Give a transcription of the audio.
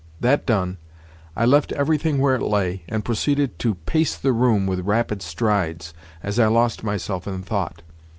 That done, I left everything where it lay, and proceeded to pace the room with rapid strides as I lost myself in thought.